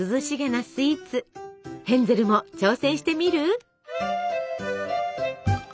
ヘンゼルも挑戦してみる？